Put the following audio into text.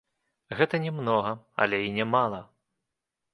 Гэта не многа, але і не мала.